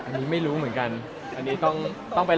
ไม่มีนะไม่รู้เลยอะเพราะพี่เต๋อไม่ตอบไง